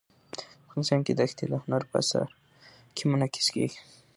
افغانستان کې دښتې د هنر په اثار کې منعکس کېږي.